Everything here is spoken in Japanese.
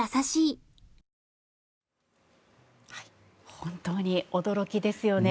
本当に驚きですよね。